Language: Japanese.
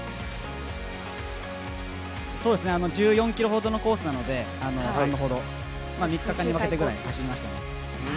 １４ｋｍほどのコースなので、３日間にわたって走りましたね。